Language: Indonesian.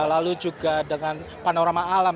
lalu juga dengan panorama alam